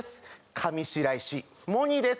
上白石モニです